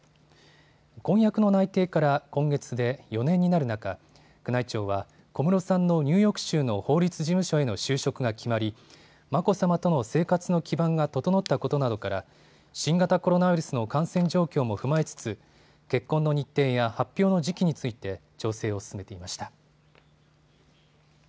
婚約の内定から今月で４年になる中、宮内庁は小室さんのニューヨーク州の法律事務所への就職が決まり眞子さまとの生活の基盤が整ったことなどから新型コロナウイルスの感染状況も踏まえつつ結婚の日程や発表の時期について調整を進めていました。